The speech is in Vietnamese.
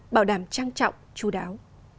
bảo đảm trang trọng chú đáo